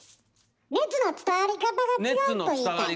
熱の伝わり方が違うと言いたい？